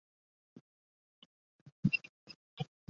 弘治十一年戊午科解元。